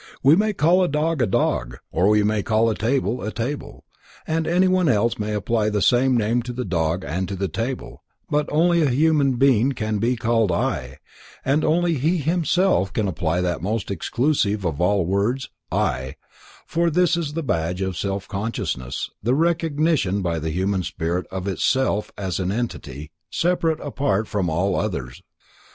We may all call a dog, dog; or we may call a table, table, and any one else may apply the same name to the dog and to the table, but only a human being can be called "I" and only he himself can apply that most exclusive of all words, I, for this is the badge of self consciousness, the recognition by the human spirit of itself as an entity, separate and apart from all others.